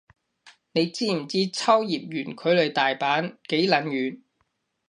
你知唔知秋葉原距離大阪幾撚遠